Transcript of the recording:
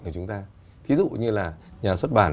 của chúng ta thí dụ như là nhà xuất bản